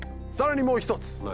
さらにもう一つ。